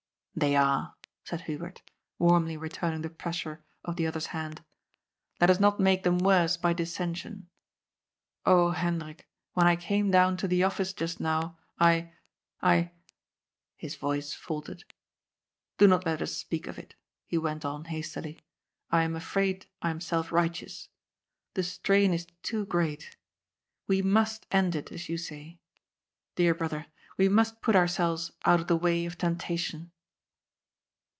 " They are," said Hubert, warmly returning the pressure of the other's hand. " Let us not make them worse by dis sension. Oh, Hendrik, when I came down to the Office just now, I — I " his voice faltered. "Do not let us speak of it," he went on hastily. " I am afraid I am self ^ righteous. The strain is too great. We must end it, as you say. Dear brother, we must put ourselves out of the way of temptation."